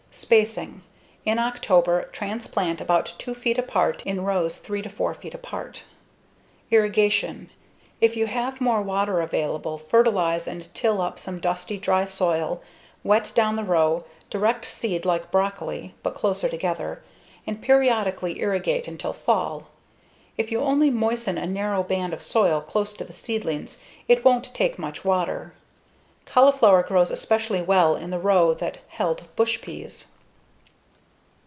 Spacing: In October, transplant about 2 feet apart in rows 3 to 4 feet apart. Irrigation: If you have more water available, fertilize and till up some dusty, dry soil, wet down the row, direct seed like broccoli (but closer together), and periodically irrigate until fall. If you only moisten a narrow band of soil close to the seedlings it won't take much water. Cauliflower grows especially well in the row that held bush peas.